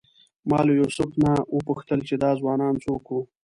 ما له یوسف نه وپوښتل چې دا ځوانان څوک وو.